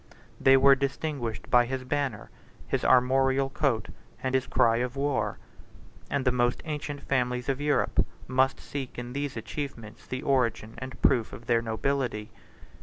They were distinguished by his banner, his armorial coat, and his cry of war; and the most ancient families of Europe must seek in these achievements the origin and proof of their nobility.